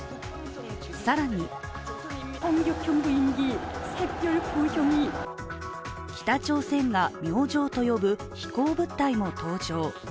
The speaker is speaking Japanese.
更に北朝鮮が「明星」と呼ぶ飛行物体も登場。